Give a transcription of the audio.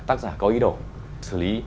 tác giả có ý đồ xử lý